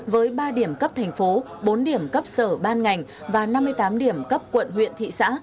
với ba điểm cấp thành phố bốn điểm cấp sở ban ngành và năm mươi tám điểm cấp quận huyện thị xã